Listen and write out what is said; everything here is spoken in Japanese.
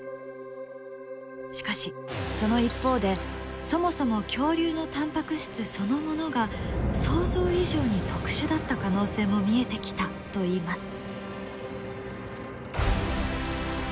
しかしその一方でそもそも恐竜のタンパク質そのものが想像以上に特殊だった可能性も見えてきたといいます。